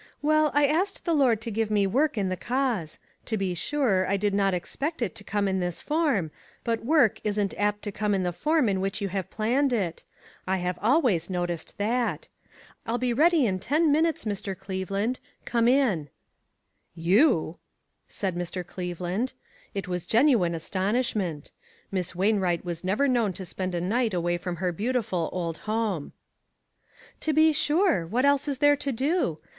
Well, I asked the Lord to give me work in the cause. To be sure, I did not ex pect it to come in this form, but work isn't apt to come in the form in which you have planned it; I have always noticed that. I'll be ready in ten minutes, Mr. Cleveland. Come in." A NIGHT TO REMEMBER. $01 " You !" said Mr. Cleveland. It was genuine astonishment. Miss Wainwright was never known to spend a niglit away from her beautiful old home. "To be sure. What else is there to do?